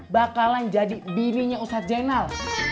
bakalan jadi bininya ustadz zainal